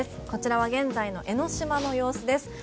こちらは現在の江の島の様子です。